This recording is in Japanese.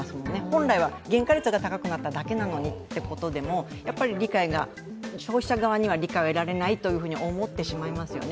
本来は原価率が高くなっただけなのにってことなのに消費者側には理解が得られないっていうのは思ってしまいますよね。